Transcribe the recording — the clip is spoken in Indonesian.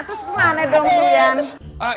terus kemana dong suyam